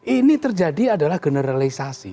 ini terjadi adalah generalisasi